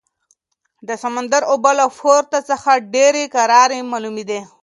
د سمندر اوبه له پورته څخه ډېرې کرارې معلومېدې.